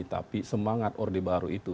tapi semangat orde baru itu